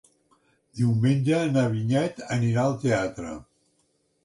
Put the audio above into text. Diumenge na Vinyet anirà al teatre.